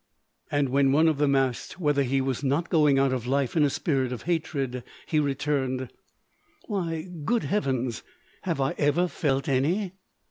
And when one of them asked whether he was not going out of life in a spirit of hatred, he returned, "Why, good heavens! have I ever felt any?"